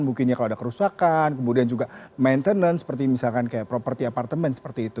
mungkin ya kalau ada kerusakan kemudian juga maintenance seperti misalkan kayak properti apartemen seperti itu